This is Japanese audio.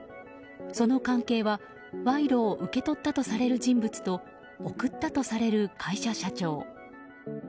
その関係は賄賂を受け取ったとされる人物と贈ったとされる会社社長。